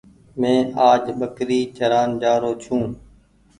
مينٚ آج ٻڪري چران جآرو ڇوٚنٚ